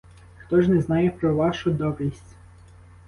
Хто ж не знає про вашу добрість?